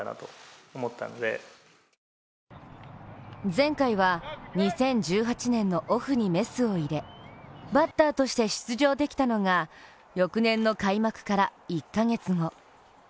前回は２０１８年のオフにメスを入れバッターとして出場できたのが翌年の開幕から１か月後。